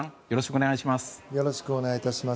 よろしくお願いします。